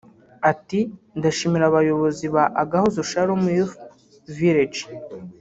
Ati “ Ndashimira abayobozi ba Agahozo Shalom Youth Village